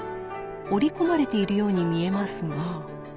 織り込まれているように見えますが。